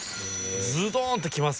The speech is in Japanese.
ズドーンってきます